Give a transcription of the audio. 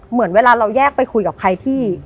เหมือนเวลาเราแยกไปคุยกับใครที่